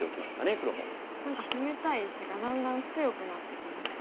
何か攻めたい石がだんだん強くなってきましたね。